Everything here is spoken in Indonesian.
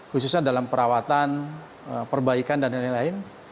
khususnya dalam perawatan perbaikan dan lain lain